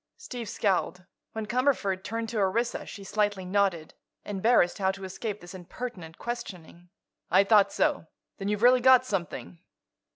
Steve scowled. When Cumberford turned to Orissa she slightly nodded, embarrassed how to escape this impertinent questioning. "I thought so. Then you've really got something?"